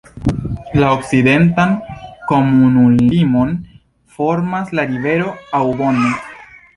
La okcidentan komunumlimon formas la rivero Aubonne.